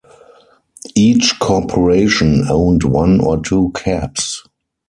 Each corporation owned one or two cabs.